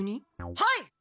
はい。